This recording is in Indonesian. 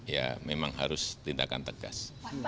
ya memang harus tindakan tegas